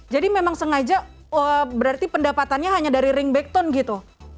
jadi memang sengaja berarti pendapatannya hanya dari ringback tone gitu